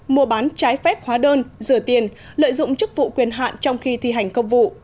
mua bán trái phép hóa đơn rửa tiền lợi dụng chức vụ quyền hạn trong khi thi hành công vụ